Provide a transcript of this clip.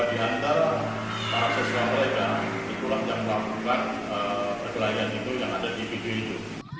diantar para sesuai mereka di pulang pulang bukan perkelahian itu yang ada di video itu